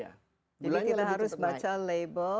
jadi kita harus baca label